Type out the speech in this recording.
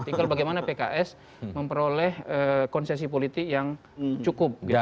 tinggal bagaimana pks memperoleh konsesi politik yang cukup